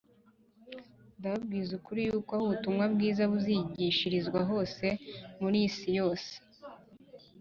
Ndababwira ukuri yuko aho ubutumwa bwiza buzigishirizwa hose mu isi yose